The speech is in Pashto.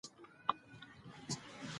د سلمې کلیزې په ویاړ چاپېږي.